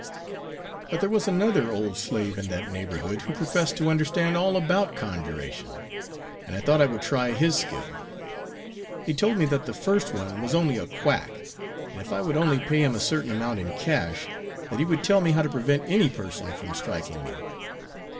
But there was another old slave in that neighborhood, who professed to understand all about conjuration, and I thought I would try his skill. He told me that the first one was only a quack, and if I would only pay him a certain amount in cash, that he would tell me how to prevent any person from striking me.